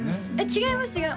違います